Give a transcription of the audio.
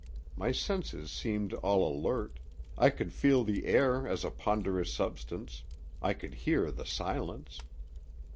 My senses seemed all alert; I could feel the air as a ponderous substance; I could hear the silence.